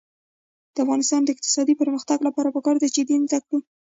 د افغانستان د اقتصادي پرمختګ لپاره پکار ده چې دین زده کړو.